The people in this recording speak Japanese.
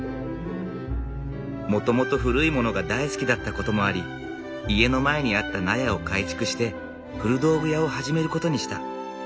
もともと古いものが大好きだったこともあり家の前にあった納屋を改築して古道具屋を始めることにした。